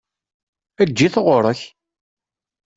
Eǧǧ-it ɣuṛ-k!